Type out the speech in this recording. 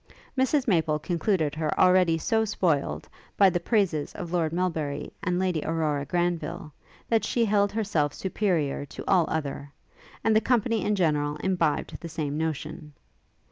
Mrs Maple concluded her already so spoiled, by the praises of Lord Melbury and Lady Aurora Granville, that she held herself superior to all other; and the company in general imbibed the same notion.